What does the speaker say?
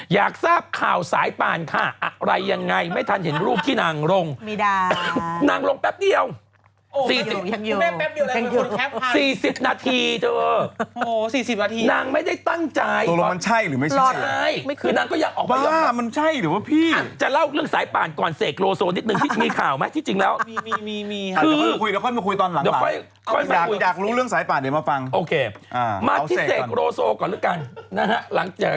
อยากทราบข่าวสายปานค่ะอะไรยังไงไม่ทันเห็นรูปที่นางลง